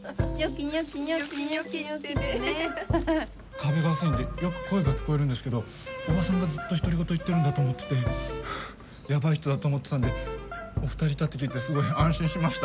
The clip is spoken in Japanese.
壁が薄いんでよく声が聞こえるんですけどおばさんがずっと独り言言ってるんだと思っててヤバい人だと思ってたんでお二人いたって聞いてすごい安心しました。